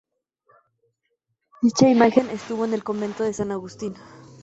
Dicha imagen estuvo en el convento de san Agustín.